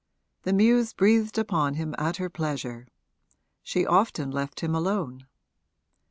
The muse breathed upon him at her pleasure; she often left him alone.